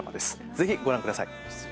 ぜひご覧ください。